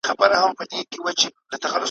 کرۍ ورځ چي یې مزلونه وه وهلي `